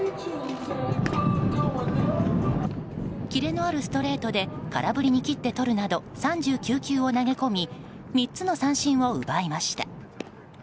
キレのあるストレートで空振りに切って取るなど３９球を投げ込み３つの三振を奪いました。